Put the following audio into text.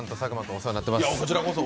お世話になってます。